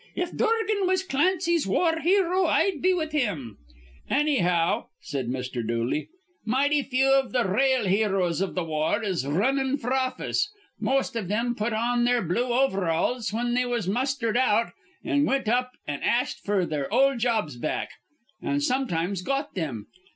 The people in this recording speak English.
If Dorgan was Clancy's war hero, I'd be with him." "Annyhow," said Mr. Dooley, "mighty few iv th' rale heroes iv th' war is r runnin' f'r office. Most iv thim put on their blue overalls whin they was mustered out an' wint up an' ast f'r their ol' jobs back an' sometimes got thim.